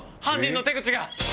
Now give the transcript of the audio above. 犯人の手口が。